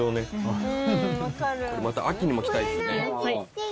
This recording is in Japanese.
また秋にも来たいですね。